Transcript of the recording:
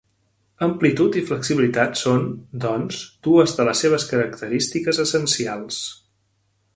Amplitud i flexibilitat són, doncs, dues de les seves característiques essencials.